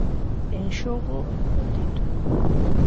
En xogo o título.